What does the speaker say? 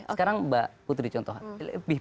sekarang mbak putri contoh